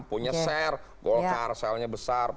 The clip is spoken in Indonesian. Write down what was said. punya share golkar sahamnya besar